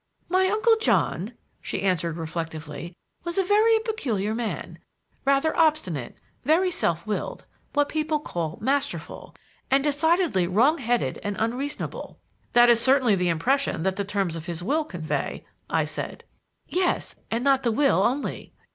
"My Uncle John," she answered reflectively, "was a very peculiar man, rather obstinate, very self willed, what people call 'masterful,' and decidedly wrong headed and unreasonable." "That is certainly the impression that the terms of his will convey," I said. "Yes, and not the will only.